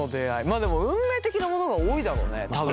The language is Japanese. まあでも運命的なものが多いだろうね多分。